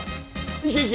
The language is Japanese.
行け行け！